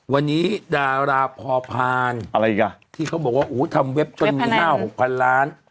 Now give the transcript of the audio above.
วันนี้ดาราพอพานที่เขาบอกว่าอื้อทำเว็บจน๕๖พันล้าน